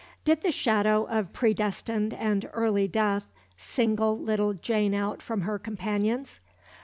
Did the shadow of predestined and early death single little Jane out from her companions?